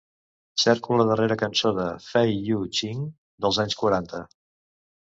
Cerco la darrera cançó de Fei Yu Ching dels anys quaranta.